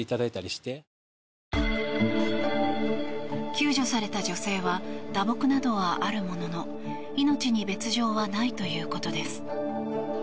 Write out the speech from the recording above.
救助された女性は打撲などはあるものの命に別条はないということです。